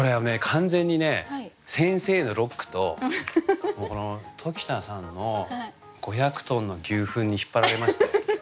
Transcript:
完全にね先生のロックと時田さんの「五百トンの牛糞」に引っ張られました。